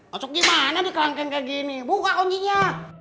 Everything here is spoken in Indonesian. masuk gimana di klanken kayak gini buka kuncinya